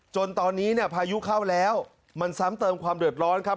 จนตอนนี้เนี่ยพายุเข้าแล้วมันซ้ำเติมความเดือดร้อนครับ